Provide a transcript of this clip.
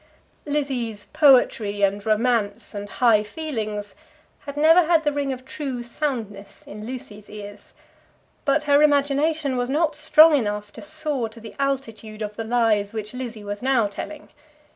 Lizzie's poetry, and romance, and high feelings, had never had the ring of true soundness in Lucy's ears. But her imagination was not strong enough to soar to the altitude of the lies which Lizzie was now telling.